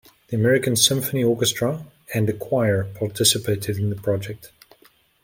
The American Symphony Orchestra and a choir participated in the project.